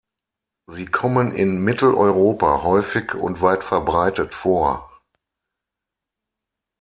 Sie kommen in Mitteleuropa häufig und weit verbreitet vor.